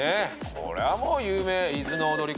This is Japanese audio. これはもう有名『伊豆の踊子』といえば。